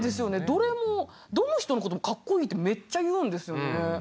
どれもどの人のこともカッコイイってめっちゃ言うんですよね。